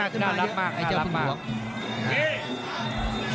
วันนี้เดี่ยงไปคู่แล้วนะพี่ป่านะ